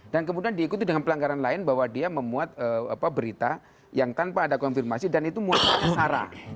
dan kemudian diikuti dengan pelanggaran lain bahwa dia memuat berita yang tanpa ada konfirmasi dan itu muatan syarat